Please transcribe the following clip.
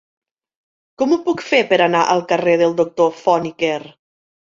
Com ho puc fer per anar al carrer del Doctor Font i Quer?